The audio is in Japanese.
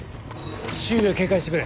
周囲を警戒してくれ。